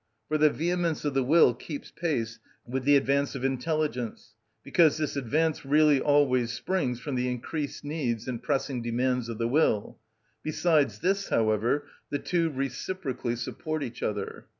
For the vehemence of the will keeps pace with the advance of intelligence, because this advance really always springs from the increased needs and pressing demands of the will: besides this, however, the two reciprocally support each other.